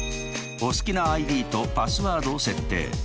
お好きなＩＤとパスワードを設定。